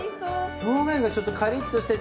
表面がちょっとカリッとしてて。